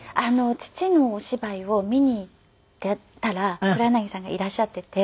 父のお芝居を見に行ったら黒柳さんがいらっしゃっていて。